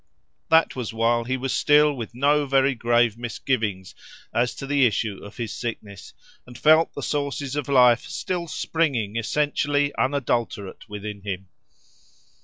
That was while he was still with no very grave misgivings as to the issue of his sickness, and felt the sources of life still springing essentially unadulterate within him.